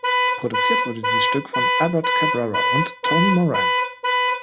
Produziert wurde dieses Stück von Albert Cabrera und Tony Moran.